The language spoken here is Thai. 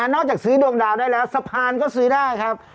จากซื้อดวงดาวได้แล้วสะพานก็ซื้อได้ครับ